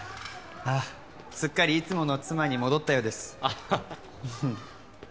すっかりいつもの妻に戻ったようです